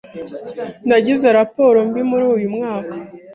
Nagize raporo mbi muri uyu mwaka.